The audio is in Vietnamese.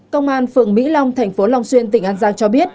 công an phượng mỹ long tp long xuyên tỉnh an giang cho biết